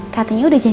di mana mau masuk